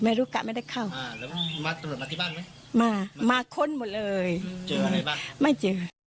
ไม่รู้แกะมันได้เข้ามาคนหมดเลยไม่เจอ